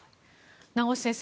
名越先生